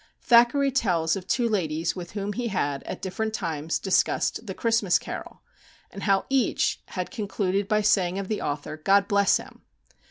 Thackeray tells of two ladies with whom he had, at different times, discussed "The Christmas Carol," and how each had concluded by saying of the author, "God bless him!"